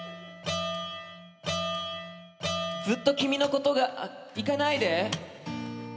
「ずっと君のことがあっ行かないで」